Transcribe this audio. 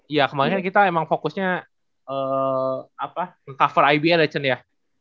iya kemarin kita emang fokusnya cover ibl ya cun ya